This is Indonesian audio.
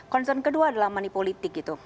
concern kedua adalah manipolitik gitu